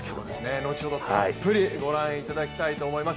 後ほどたっぷりご覧いただきたいと思います。